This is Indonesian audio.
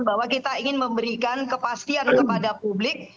bahwa kita ingin memberikan kepastian kepada publik